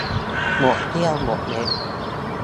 หมดเขี้ยวหมดเล็บ